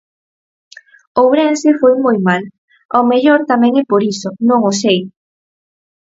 Ourense foi moi mal, ao mellor tamén é por iso, non o sei.